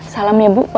salam ya bu buat reyna